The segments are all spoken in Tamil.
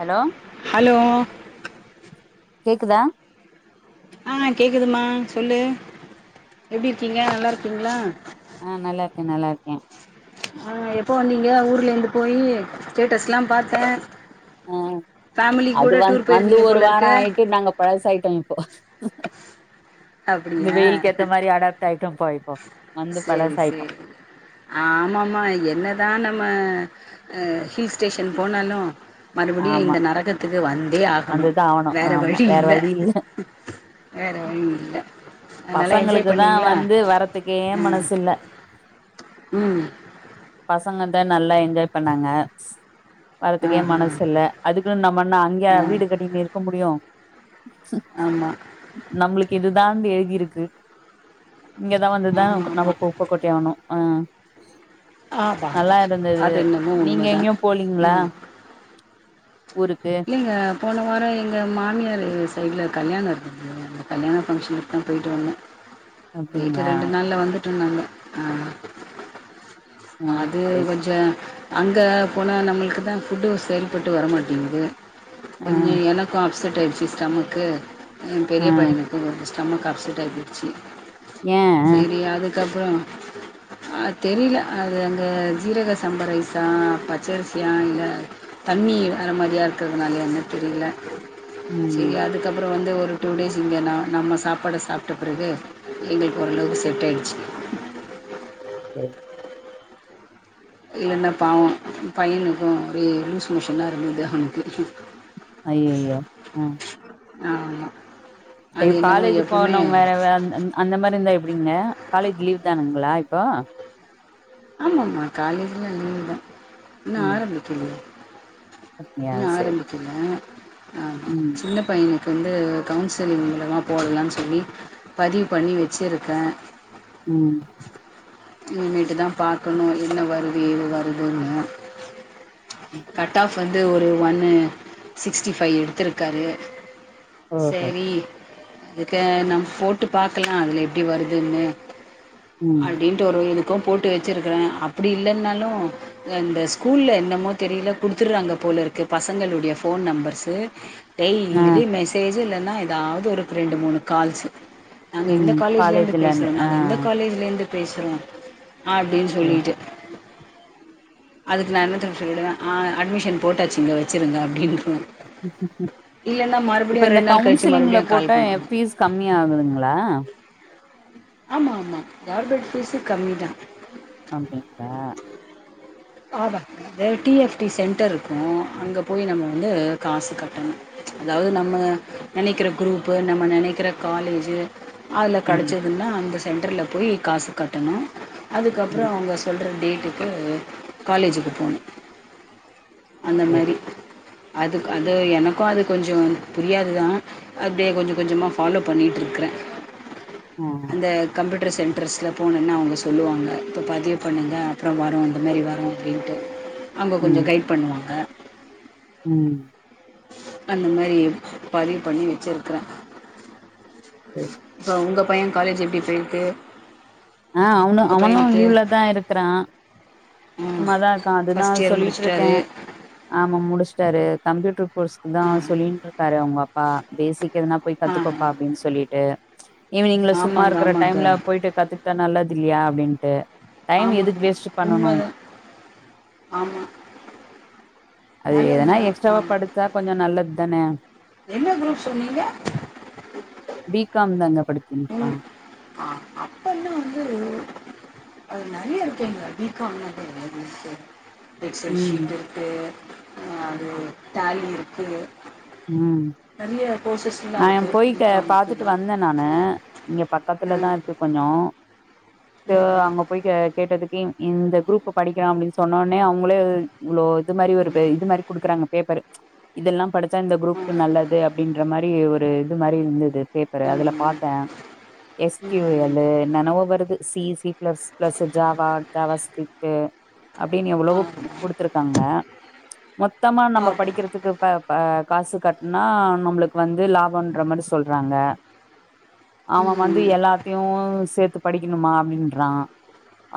ஹலோ ஹலோ கேக்குதா ஆ கேக்குதுமா சொல்லு எப்டி இருக்கீங்க நல்லா ருக்கீங்களா ஆ நல்லா இருக்கே நல்லா ருக்கே ஆ எப்போ வந்தீங்க ஊர்லந்து போயி ஸ்டேட்டஸ் லா பாத்தே ஆ ஃபேமிலி அது கூட வந் டூர் வந்து போயிருந்தீங்க ஒரு போல வாரோ இருக்கு ஆயிட்டு நாங்க பழசாயிட்டோ இப்போ இந்த அப்டியா வெயிலுக்கு ஏத்த மாரி அடாப்ட் ஆயி சேரி சேரி ஆமா மா என்னதா நம்ம ஆ ஹில் ஸ்டேஷன் போனாலு மறுபடியு ஆமா இந்த நரகத்துக்கு வந்தே ஆகணு வந்துதா ஆவணு வேற ஆமா வழி வேற இல்ல வேற வழி இல்ல நல்லா என்ஜாய் பசங்களுக்கு தா பண்ணீங்களா வந்து வரத் த்துக்கே ஆ மனசு இல்ல ம் பாத் பசங்க தா நல்லா என்ஜாய் பண்ணாங்க வறத்துக்கே ஆஹா மனசு இல்ல அதுக்குனு நம்ம என்ன அங்கயா ஆ வீடு கட்டிக்ன்னு இருக்க முடியும் ஆமா நம்ளுக் இதுதான்டு எழுதி இருக்கு இங்கதா வந்துதா ஆமா ஆமா நம்ப குப்ப கொட்டி ஆவணு ஆஹ் ஆமா ஆமா நல்லா இருந்தது அது என்னமோ நீங்க உண்மதா எங்கேயு போலீங்ளா இல்ல போன வாரொ எங்க மாமியாரு சைடுல கல்யாணம் அந்த கல்யாண ஃபங்ஷன்க்குதா போயிட்டு வந்த அப்டிங்களா பேய்ட்டு ரெண்டு நாள்ல வந்து ட்ருந்தாங்க ஆ ஆ அது சரி கொஞ்சொ அங்க போனா நம்ளுக்கு தா ஃபுட்டு சரிப்பட்டு வரமாட்டேங்குது ஆ கொஞ்ச எனக்கோ செட்டாயிருச்சு ஸ்டமக்கு எ ஆ பெரிய பையனுக்கு ஒரு ஸ்டொமக் அப்செட்டாயி போயிடுச்சி ஏ ஆ சேரி அதுக்கப்பறோ அ தெரியல அது அங்க ஜீரக சம்ப ரைசா பச்சரிசியா இல்ல தண்ணி வேற மாரியா இருக் கறதுனாலயா என்ன தெரியல ம் சேரி அதுக்கப்பறம் வந்து ஒரு ஒரு டூ டேஸ் இங்கே ந நம்ம சாப்பாட சாப்ட்ட பிறகு எங்களுக்கு ஓரளவு செட் ஆயிடுச்சு சேரி இல்லன்னா பாவோ பையனுக்கும் ஒரே லூஸ் மோஷன் ஆ இருந்தது அவனுக்கு ஐய்ஐயோ ம் ஆமா அது ஐயோ என்னமோ காலேஜ் எப்பவுமே போனோம் வேற வேற ந் ந் அந்த மாரி இருந்தா எப்படிங்க காலேஜ் லீவ் தானுங்களா இப் அப்போ ஆமாமா காலேஜ்லா லீவ் தா இன்னு ம் ஆரம்பிக்லயே அப்டியா இன்னும் சரி ஆரம்பிக்கல ஆமா ம் சின்ன பையன் க்கு வந்து கவுன்சிலிங் மூலமா போடலாம்னு சொல்லி பதிவு பண்ணி வச்சிருக்கே உம் இனிமேட்டு தா பாக்கணு என்ன வருது ஏது வருதுன்னு ம். கட் ஆஃப் வந்து ஒரு ஒன்னு சிக்ஸ்டி ஃபைவ் எடுத்துருக்காரு ஓஹோ சேரி அதுக்கு நம்ம போட்டு பாக்கலா அதுல எப்டி வருதுன்னு ம் அப்டின்ட்டு ஒரு இது க்கு போட்டு வச்சிருக்கறே அப்டி இல்லன்னாலு அ இந்த ஸ்கூல என்னமோ தெரில குடுத்துட்றாங்க போல இருக்கு பசங்களுடைய ஃபோன் நம்பர்ஸ்சு ஆ டெய்லி மெசேஜ் இல்ல னா ஏதாவது ஒரு ரெண்டு மூணு கால்ஸ்சு நாங்க இந்த காலேஜ்ல இருந்து பேசுறோ நாங்க இந்த காலேஜ் இருந்து பேசுறோ அப்டின்னு ஓ சொல்லிட்டு அதுக்கு நா என்ன தெரியுமா சொல்லிடுவே ஆ அட்மிஷன் போட்டாச்சுங்க வச்சிருங்க அப்டின்னு இப்ப மறுபடியும் இந்த ரெண்டு நாள் கழித்து கவுன்சிலிங்ல மறுபடியும் போட்ட கால் பண்ணுவாங்க ஃபீஸ் கம்மியா ஆகுதுங்களா ஆமா ஆமா கவர்மெண்ட் ஃபீஸ்சு கம்மிதா அப்டிங்களா ஆமா அது டி எஃப் டி சென்டர் இருக்கு அங்க போய் நம்ம வந்து காசு கட்டணு அதாவது நம்ம நெனைக்கிற குரூப்பு நம்ம நெனைக்கிற காலேஜ் அதுல ம் கெடச்சதுன்னா அந்த சென்டர்ல போய் காசு கட்டணு அதுக்கப்றோ ம் அவங்க சொல்ற டேட் டுக்கு காலேஜீக்கு போணு அந்த சரி மாரி அதுக் அது எனக்கு அது கொஞ்சோ புரியாது தா அப்டியே கொஞ்சோ கொஞ்சமா ஃபாலோ பண்ணிட்டு இருக்கற ஆ அந்த கம்ப்யூட் ட்டர் சென்டர்ஸ்ல போணன்னா அவங்க சொல்லுவாங்க இப்போ பதிவு பண்ணுங்க அப்றோ வரு இந்த மாரி வரும் அப்டின்ட்டு அங்க கொஞ்சோ ம் கைட் பண்ணுவாங்க ம் அந்த மாரி பதிவு பண்ணி வச்சிருக்கிறே சரி இப்ப உங்க பைய காலேஜ் எப்டி போயிட்டு ஆ அவனு அவனு லீவ்ல தா இருக்கிறா சும்மாதா இருக்கா அதுதா ஃபஸ்ட் இயர் சொல்லிட்டு இருக்கே, முடிச்சிட்டாரு ஆமா முடிச்சிட்டாரு, கம்ப்யூட்டரு கோர்ஸ்க்குதா ஆ சொல்லின்ட்டு இருக்காரு அவங்க அப் பா பேசிக் எதனா போய் ஆ கத்துக்கோப்பா அப்டின்னு சொல்லிட்டு ஈவினிங்ல சும்மா ஆமாங்க இருக்க ஆமாங்க டைம்ல போயி்ட்டு கத்துட் நல்லது இல்லையா அப்டின்ட்டு டைம் எதுக்கு ஆமாங்க வேஸ்ட் பண்ணனு உண்மைதான் ஆமாம் அது நல்லது எதனா தான் எக்ஸ்ட்ராவா ஆமாம் படிச்சா கொஞ்சோ நல்லது தனே என்ன குரூப் சொன்னீங்க படித்து இங்குட்டுதா உங் அப்போல்லாம் வந்து அது நெறையா இருக்குங்க [inaudible] எக்ஸெல் ம் சீட்டு இருக்கு அது ஃடாலி இருக்கு உம் நெறைய நா கோர்சஸ்லாம் எ இருக்கு போய்க்க பாத்துட்டு பிகாமுக்குன்னா வந்தே நானு ம் இங்க பக்கத்துலதா இருக்கு ம் கொஞ்சோ கேவ் அங்க போய் கே கேட்டதுக்கு இந் இந்த குரூப் படிக்கலா அப்டின்னு சொன்னோனே அவுங்களே இவ்ளோ ப் இது மாரி ஒரு இது மாரி குடுக்குறாங்க பேப்பரு இதெல்லா படுத் ச்சா இந்த ம் குரூப்க்கு ம் நல்லது அப்டின்ற மாரி ஒரு இது மாரி இருந்துது பேப்பரு அதுல ம் பாத்தே எஸ் கி யூ எல்லு ம் என்னன்னவோ வருது C C plus plus Java JavaScript அப்டின்னு எவ்வளவோ குடுத்துருக்காங்க மொத்தமா நம்ம ம் படிக்கிறதுக்கு இப்ப ஆ காசு கட்னா நம்மளுக்கு வந்து லாபன்ற மாரி சொல்றாங்க அவன் வந்து ம் எல்லாத்தையு சேத்து படிக்கணுமா அப்டின்றா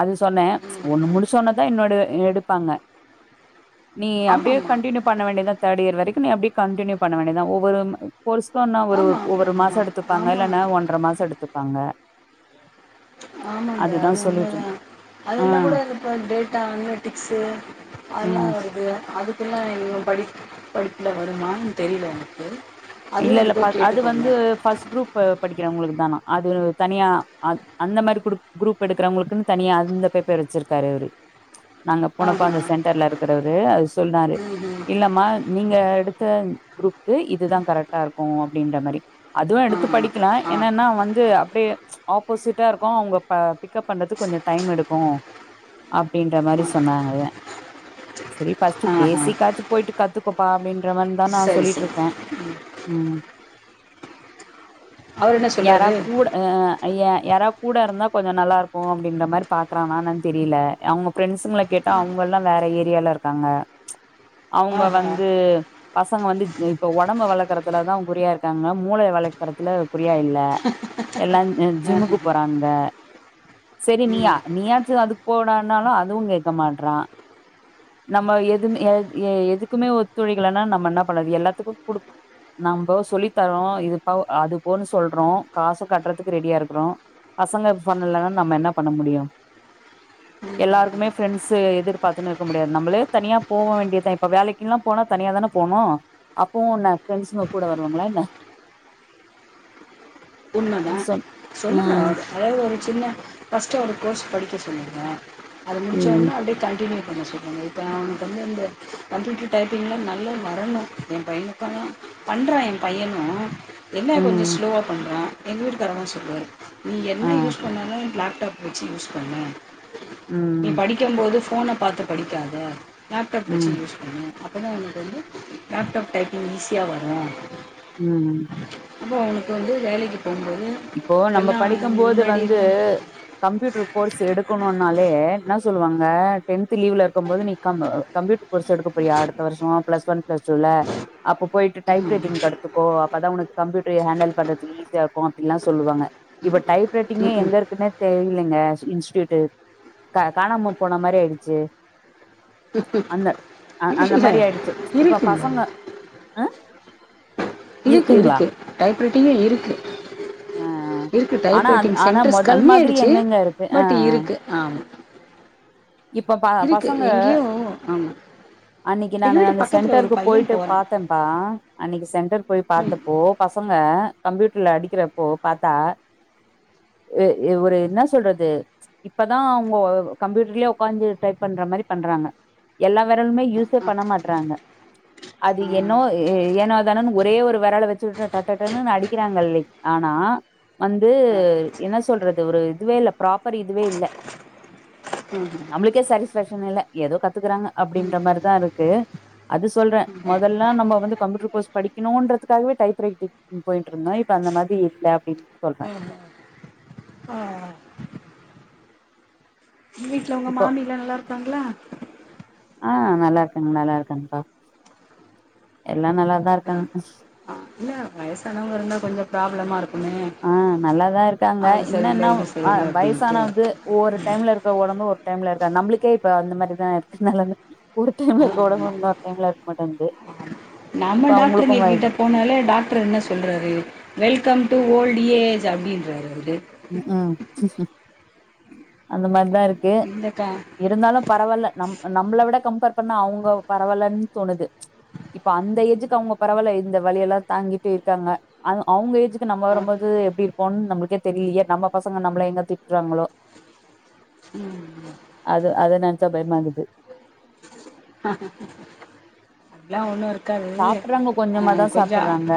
அது சொன்னே ஒன்னு முடிச்சோனதா என்னோடு எடுப்பாங்க நீ அப்டியே ஆமாம் கண்டினியூ பண்ண வேண்டியதா தேர்ட் இயர் வரைக் நீ அப்டி கண்டினியூ பண்ண வேண்டியதா ஒவ்வொரு பொருஸ்கோன்னா ஆமாம் ம் ஆமாம்மா ஒரு ஒ ஆமாம் ஆமாம் ஒவ்வொரு மாசோ ஆமாம் எடுத்துப்பாங்க இல்லேன்னா ஆமாம் ஒன்றரை மாசோ எடுத்துப்பாங்க ஆமாங்க அதுதான் அது சொல்லிட்டு உண்மதா இருந் அது ஆ எல்லா கூட அப்ப டேட்டா அனலட்டிக்ஸ்சு அதெல்லா ம் வருது அதுக்குல்லா படிக்க படிப்புல வருமான்னு தெரியல எனக்கு இல்ல அதுவும் இல்ல எதுக்கோ ப அது கேட்டுக்கோங்க. வந்து ஃபர்ஸ்ட் குரூப் படிக்கிறவங்களுக்கு தானா அது தனியா அ அந்த மாரி குடுபா குரூப் எடுக்கறவங்களுக்குன்னு தனியா அந்த பேப்பர் வச்சுருக்காரு இவரு நாங்க போனப்போ ஆஹா. அந்த சென்டர்ல இருக்குறவரு அது சொல்றாரு ம்ஹ்ம். இல்லம்மா நீங்க எடுத்த குரூப்கு இதுதா கரெக்ட் டா இருக்கும் அப்டின்ற மாரி அதுவு ஆ, எடுத்து படிக்கலா ஆ, ஆ. என்னன்னா வந்து அப்டியே ஆப்போசிட்ட இருக்கு அவங்க ப பிக்கப் பண்ணுறதுக்கு கொஞ்ச டைம் எடுக்கு அப்டின்ற மாரி சொன்னாரு சரி ஃபர்ஸ்ட்டு ஆஹா. பேசிக்காச்சு போயிட்டு கத்துக்கோப்பா அப்டின்ற மாரிதா நா சரி, சரி. சொல்லிட்ருக்கே உம் அவரு என்ன யாரா சொல்றாரு? கூட அஹ் யா யாரா கூட இருந்தா கொஞ்ச நல்லாருக்கு அப்டின்ற மாரி பாக்குறானானு தெரியல அவங்க ஃப்ரெண்ட்ஸுங்கல கேட்டா அவங்க எல்லா வேற ஏரியால இருக்காங்க அவங்க ஆஹா. வந்து பசங்க வந்து இப்ப உடம்பு வளக் தா குறியாருக்காங்க மூளை வளைக்கறத்துல குரியா இல்ல எல்லா ஜிம்முக்கு ஆஹஹ. போறாங்க சரி நீ ம். நீயாச்ச அது போட னாலு அதுவு கேட்க மாட்டறா நம்ம எதுமே எது எ எதுக்குமே ஒத்துழிக்கலனா நம்ம என்ன பண்ணது எல்லாத்துக்கு குடு நம்ம சொல்லி தரோ இதுப்ப அது போன்னு சொல்றோ காசு கட்டுறதுக்கு ரெடியா இருக்கறோ பசங்க பண்ணலன்னா நம்ம என்னா பண்ண முடியு எல்லாருக்குமே ஃரெண்ட்ஷு எதிர்பாத்துன்னு இருக்க முடியாது நம்மளே தனியா போக வேண்டியதா இப்ப வேலைக்குல்லா போனா தனியா தானே போனோம் அப்பவும்னே ஃப்ரன்ஸுங்க கூட வருவாங்களா என்ன உண்மைதா அது சொன் சொல்லுல ம் அதாவது ஒரு சின்ன ஃபர்ஸ்டா ஒரு கோர்ஸ் படிக்க சொல்லுங்க அது முடிச்ச ம் ஒனே அப்டியே கண்டின்யூ ண்ண சொல்லுவாங்க இப்போ அவனுக்கு வந்து இந்த கம்ப்யூட்டர் டைப்பிங்லா நல்லா வரணு என் பையனுக்காலா பண்றா ஏ பையனு என்ன கொஞ்ச ம் ஸ்லோவ அற எங்க வீட்டுக்காரங்க சொல்லுவாரு நீ என்ன ஆ யூஸ் பண்ணாலும் பிளாக் டப் வச்சு யூஸ் பண்னு நீ ம் படிக்கு போது போன பாத்து படிக்காத லேப்டாப் வச்சு ம் யூஸ் பண்ணு அப்பதா எனக்கு வந்து லேப்டாப் டைப்பிங் ஈஸியா வரு ம் [unintelligible] வந்து வேலக்கு இப்போ நம்ம படிக்கும் போது முன்னாடி வந்து இருந்தோம் கம்ப்யூட்டர் கோர்ஸ் எடுக்கணுனாலே ந சொல்லுவாங்க டென்த் லீவ்ல இருக்குபோது நீ கம் கம்புயூட்டர் கோர்ஸ் எடுக்க போறியா அடுத்த வருஷோ ப்ளஸ்ஒன் ப்ளஸ்டூ அப போயிட்டு டைப் ரைட்டிங் கடுத்துக்க அப்பதா உனக்கு கம்யூட்டர் ஹேண்டல் பண்றதுக்கு ஈஸியாருக்கு அப்டிலா சொல்லுவாங்க இப டைஃப் ரைட்டிங்க ம்ம். எங்க இருக்குன்னே தெரிங்லங்க இன்ஸ்டியுட் க காணாம போன மாரி ஆயிடுச்சு அந்த அ இல்ல அந்த இல்ல மாரி ஆயிடுச்சு இப்ப இருக்குங்க பசங்க அஹ் இருக்கு இருக்கு டைஃப் ரைட்டிங்கே இருக்கு ஆ அ இருக்கு ஆனா அந் டைப்ரைட்டிங் ஆனா சென்டர்ஸ் மொதல் மாதிரி கம்மியாயிடுச்சு எங்கங்க இருக்கு ஆ பட் இருக்கு ஆமா இப்ப ப இருக்கு பசங்க எங்கேயும் ஆமா அன்னைக்கி எங்க நானு வீட்டு அந்த பக்கத்துல ஒரு சென்டருக்கு பையன் போயிட்டு போறான் பாத்தன்ப்பா அன்னைக்கு சென்டரு போய் ம் பாத்தப்போ பசங்க அ கம்ப்யூட்டர்ல அடிக்கிறப் போ பாத்தா எ எ ஒரு என்ன சொல்றது இப்பதா அவுங்கொ கம்ப்யூட்டர்லயே உக்காந்து டைப் பண்ற மாரி பண்றாங்க எல்லா வெரலுமே யூஸே பண்ண மாட்றாங்க அது ஆ, என்னோவோ எ ஏனோ தானோன் ஒரே ஒரு வெரல வச்சுட்டு டட்டட்டன்னு அடிக்கிறாங்கல்லை ஆனா வந்து என்ன சொல்றது து ஒரு இதுவே இல்ல ஃப்ராஃப்பர் இதுவே இல்ல ம்ஹும். நம்மளுக்கே சாடிஷ் பேஷன் இல்ல ஏதோ கத் துக்கறாங்க அப்டின்ற மாரிதா இருக்கு அது சொல்றே மொதல்லா நம்ம வந்து கம்யூட்டர் கோர்ஸ் படிக்கணுன்றது துக்காகவே டைஃப் ரைட்டிங் போயி ட்ருந்தோ இப்ப அந்த மா தி இல்ல அப்டின்னு சொல்றே வீட்ல உங்க மாமிலா நல்லா இருக்காங்களா ஆஹ் நல்லா இருக்காங்க நல்லா இருக்காங்க பா எல்லா நல்லாதா இருக்கா? இருக்காங்க ஆ, இல்ல வயசானவங்க இருந்தா கொஞ்சொ ப்ராப்ளமா இருக் ஆஹ் நல்லாதா இருக்காங்க சரியில்லை என்னனா இது வ சரியில்லை அப்படின்ட்டு வயசானாவது ஒவ்வொரு டைம்ல இருக்க ஒடம்பு ஒரு டைம்ல இருக்கா நம்புளுக்கே இப்ப அந்த மாதிரி தா இருக்கு நெலம ஒரு டைம்ல ஆ இருக்க ஆமா ஒடம்பு இன்னொரு டைம்ல இருக்க மாட்டேன்து நம்ம இப்ப அவங்களுக்கு டாக்டர்ங்க கிட்ட போனாலே டாக்ட்ரு என்ன சொல்றாரு வெல்கம் டூ ஓல்டு ஏஜ் அப்டின்றாரு ம்ஹு அந்த மார்தா இருக்கு இல்லக்கா இருந்தாலு பரவால்ல நம் நம்பள விட கம்பேர் பண்ணா அவுங்க பரவாலன்னு தோணுது ச் இப்ப அந்த ஏஜ்க்கு அவங்க பரவால இந்த வலியெலா தாங்கிட்டே இருக்காங்க அவ அவுங்க ஏஜ்க்கு து நம்ம ஆ வரம்போது எப்டி இருக் ப்போதுங் நம்மள்க்கே தெரிலயே நம்ம பசங்க நம்பள எங்க திட்றாங்ளோ உம் உம் ச்சா பயமாகுது அதா ஒன்னு இருக் காது சாப்பிடுறாங்க கொஞ்சமா அஹ் தான் கொஞ்ச சாப்பிடுறாங்க.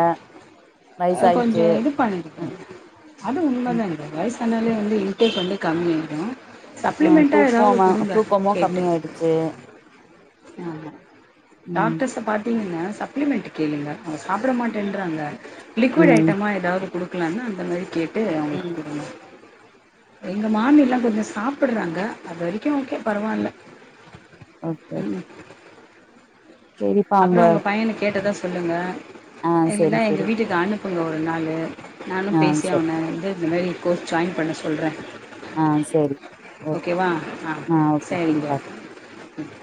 அஹ் வயசாயிடுச்சு. கொஞ்சோ இது பண்ணிருக்கே ம், அது உண்ம ம், தானேக்கா வயசு அதனாலே வந்து இன்டேக் வந்து கம்மி ஆயிடு ஆஹ் தூப்பமு தூக்கமு கேட்டு கம்மி ஆய்டுச்சு ம், டாக்டர்ஸ்ஸ பாத்தீங்னா சப்ளிமெண்ட்டு கேளுங்க அவ்ங்க சாப்ட மாட்டேன்றாங்க லிக்விடு ம், ஐட்டமா எதாவ்து குடுக் கலாமா அந்த மாரி கேட் டு ம். அவ்ங்களுக்கு குடுங்க எங்க மாமிலா கொஞ்ச சாப்புட்றாங்க அது வரைக்கு ஓகே பரவால்ல ஓகே. உம் சரிப்பா அப்றோ ஒங்க பையன கேட்டதா சொ சொல்லுங்க ஆஹ் செரி செரி நீங்க ஒரு நாளு நானு பேசியாவனு வந்ததுக்கு இந்த மாரி கோர்ஸ் ஜாயின் பண்ண சொல்றே ஆ சரி. ஓக் ஓகே வா ஆஹ் ஆ ஓகே. பாய். செரிங்கங்க உம்